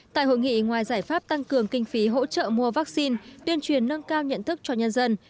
tại hội nghị ngoài giải pháp tăng cường kinh phí hỗ trợ mua vaccine tuyên truyền nâng cao nhận thức cho nhân dân